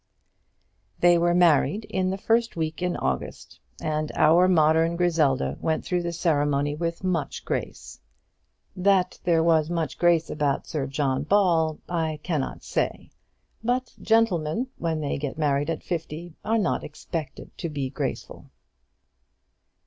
They were married in the first week in August, and our modern Griselda went through the ceremony with much grace. That there was much grace about Sir John Ball, I cannot say; but gentlemen, when they get married at fifty, are not expected to be graceful.